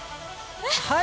はい！